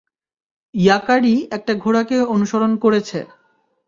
ইয়াকারি একটা ঘোড়াকে অনুসরণ করেছে।